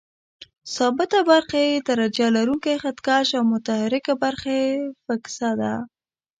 ثابته برخه یې درجه لرونکی خط کش او متحرکه برخه یې فکسه ده.